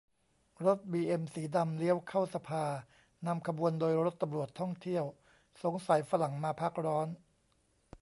รถบีเอ็มสีดำเลี้ยวเข้าสภา นำขบวนโดยรถตำรวจท่องเที่ยว สงสัยฝรั่งมาพักร้อน